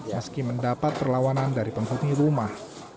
meski mendapat perlawanan dari penghuni rumah